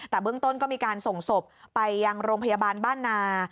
แต่เบื้องต้นก็มีการส่งศพไปยังโรงพยาบาลบ้านนา